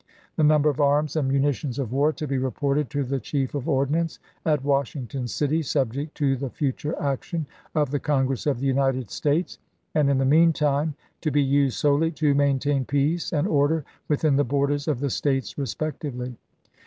The number of arms and munitions of war to be reported to the Chief of Ordnance at Washington City, subject to the fut ure action of the Congress of the United States, and, in the mean time, to be used solely to maintain peace and order within the borders of the States respectively.